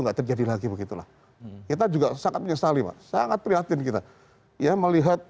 nggak terjadi lagi begitu lah kita juga sangat menyesali sangat prihatin kita ia melihat